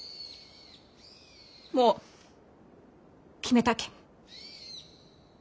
もう決めたけん。